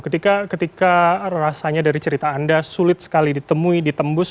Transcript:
ketika rasanya dari cerita anda sulit sekali ditemui ditembus